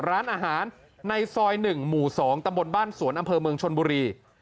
ร้านอาหารในซอย๑หมู่๒ต้บสสวนอมชนบุรี